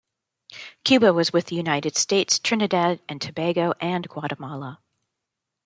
Cuba was with United States, Trinidad and Tobago and Guatemala.